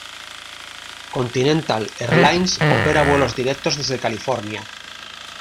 Continental Airlines opera vuelos directos desde California.